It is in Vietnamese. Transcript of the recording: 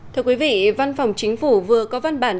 thưa quý vị văn phòng chính phủ vừa có văn bản